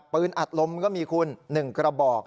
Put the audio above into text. อัดลมก็มีคุณ๑กระบอก